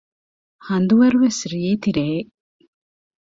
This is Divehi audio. ހަދުވަރުވެސް ރީތި ރެއެއް